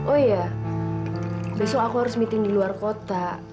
oh iya besok aku harus meeting di luar kota